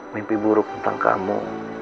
mimpi buruk tentang kamu